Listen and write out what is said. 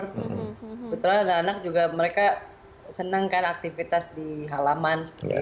kebetulan anak anak juga mereka senang kan aktivitas di halaman